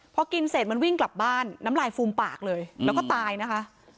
พอกินเสร็จมันวิ่งกลับบ้านน้ำลายฟูมปากเลยแล้วก็ตายนะคะ